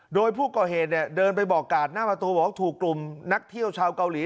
โดยผู้ก่อเหตุเนี่ยเดินไปบอกกาดหน้าประตูบอกว่าถูกกลุ่มนักเที่ยวชาวเกาหลี